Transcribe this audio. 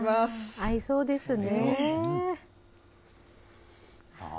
合いそうですね。